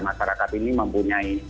masyarakat ini mempunyai